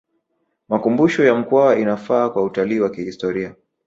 makumbusho ya mkwawa inafaa kwa utalii wa kihistoria